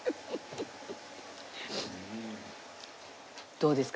どうですか？